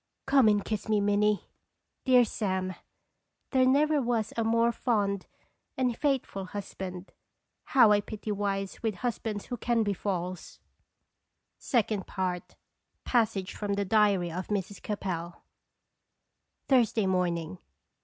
Come and kiss me, Minnie." Dear Sam ! There never was a more fond and faithful husband. How I pity wives with husbands who can be false ! II. PASSAGE FROM THE DIARY OF MRS. CAPEL. Thursday morning.